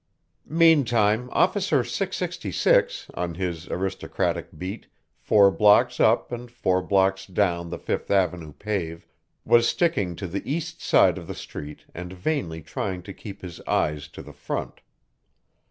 Meantime Officer 666, on his aristocratic beat, four blocks up and four blocks down the Fifth avenue pave, was sticking to the east side of the street and vainly trying to keep his eyes to the front.